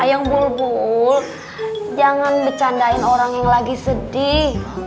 ayang bulbul jangan bercandain orang yang sedih